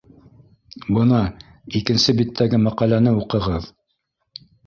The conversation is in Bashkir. — Бына, икенсе биттәге мәҡәләне уҡығыҙ